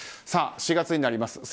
さあ、４月になります。